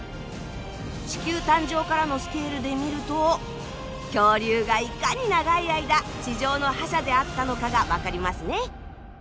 地球誕生からのスケールで見ると恐竜がいかに長い間地上の覇者であったのかが分かりますね。